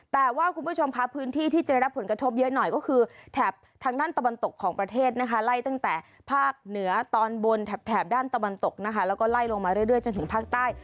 แต่ว่าคุณผู้ชมค่ะพื้นที่ที่จะได้รับผลกระทบเยอะหน่อยก็คือแถบทางด้านตะวันตกของประเทศนะคะไล่ตั้งแต่ภาคเหนือตอนบนแถบด้านตะวันตกนะคะแล้วก็ไล่ลงมาเรื่อยจนถึงภาคใต้